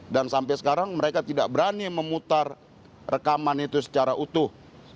sampai sekarang mereka tidak berani memutar rekaman itu secara utuh